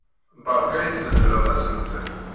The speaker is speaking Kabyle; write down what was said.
Beṛka i tbeddleḍ asentel!